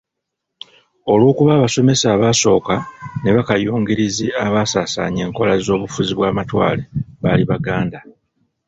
Olw'okuba abasomesa abaasooka ne bakayungirizi abaasasaanya enkola z'obufuzi bwa matwale baali Baganda.